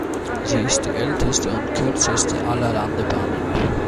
Sie ist die älteste und kürzeste aller Landebahnen.